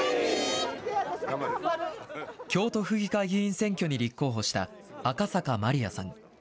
京都府議会議員選挙に立候補した赤坂マリアさん。